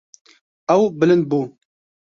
Ew bilind bû.